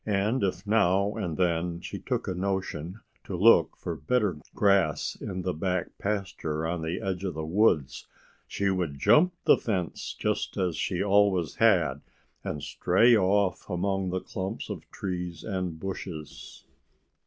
And if now and then she took a notion to look for better grass in the back pasture on the edge of the woods, she would jump the fence just as she always had and stray off among the clumps of trees and bushes.